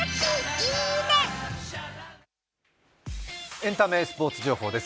エンタメスポーツ情報です。